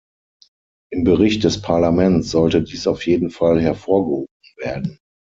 Im Bericht des Parlaments sollte dies auf jeden Fall hervorgehoben werden.